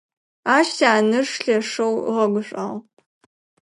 Ащ сянэжъ лъэшэу ыгъэгушӀуагъ.